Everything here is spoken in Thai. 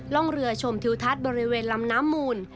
ร่องเรือชมทิวทัศน์บริเวณลำน้ำมูล